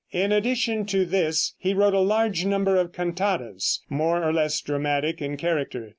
In addition to this he wrote a large number of cantatas, more or less dramatic in character.